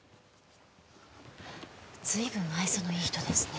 随分愛想のいい人ですね。